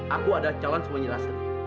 aku ada calon semua nyerasa